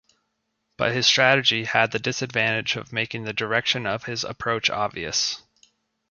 But his strategy had the disadvantage of making the direction of his approach obvious.